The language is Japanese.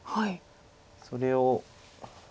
それを。